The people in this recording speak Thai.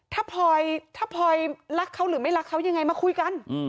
ถ้าพลอยถ้าพลอยรักเขาหรือไม่รักเขายังไงมาคุยกัน